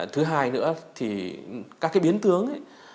thứ hai nữa thì các biến tướng